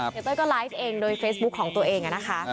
เต้ยก็ไลฟ์เองโดยเฟซบุ๊คของตัวเองนะคะ